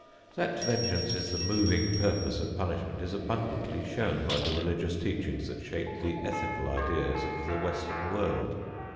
That vengeance is the moving purpose of punishment is abundantly shown by the religious teachings that shape the ethical ideas of the Western world.